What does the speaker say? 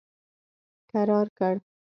کرار کړ.